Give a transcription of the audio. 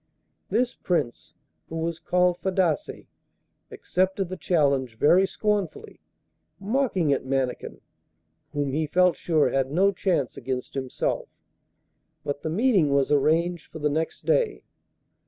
This Prince, who was called Fadasse, accepted the challenge very scornfully, mocking at Mannikin, whom he felt sure had no chance against himself; but the meeting was arranged for the next day.